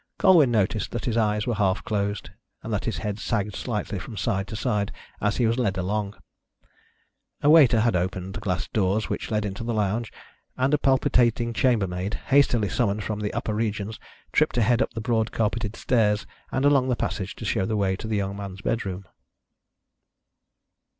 Colwyn noticed that his eyes were half closed, and that his head sagged slightly from side to side as he was led along. A waiter held open the glass doors which led into the lounge, and a palpitating chambermaid, hastily summoned from the upper regions, tripped ahead up the broad carpeted stairs and along the passage to show the way to the young man's bedroom.